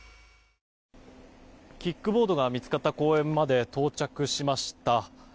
キックボードが見つかった公園まで到着しました。